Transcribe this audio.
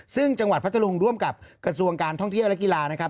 ซึ่งจังหวัดพัทธรุงร่วมกับกระทรวงการท่องเที่ยวและกีฬานะครับ